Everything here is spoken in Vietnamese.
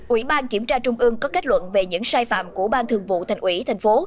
ủy ban kiểm tra trung ương có kết luận về những sai phạm của ban thường vụ thành ủy thành phố